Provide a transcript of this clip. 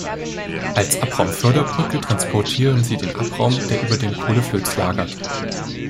Als Abraumförderbrücke transportieren sie den Abraum, der über dem Kohleflöz lagert.